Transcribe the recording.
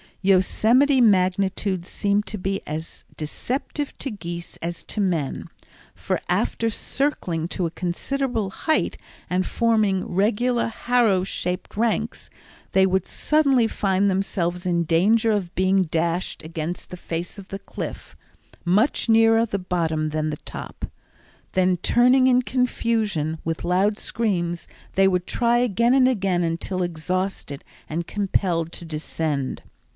Yosemite magnitudes seem to be as deceptive to geese as to men, for after circling to a considerable height and forming regular harrow shaped ranks they would suddenly find themselves in danger of being dashed against the face of the cliff, much nearer the bottom than the top. Then turning in confusion with loud screams they would try again and again until exhausted and compelled to descend.